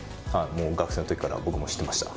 学生の時から僕も知ってました。